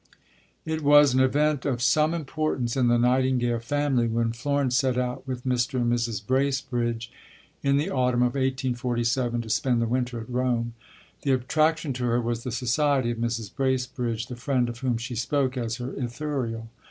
It was an event of some importance in the Nightingale family when Florence set out with Mr. and Mrs. Bracebridge, in the autumn of 1847, to spend the winter at Rome. The attraction to her was the society of Mrs. Bracebridge, the friend of whom she spoke as "her Ithuriel."